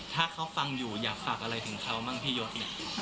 ถ้าเขาฟังอยู่อยากฝากอะไรถึงเขาบ้างพี่ยศเนี่ย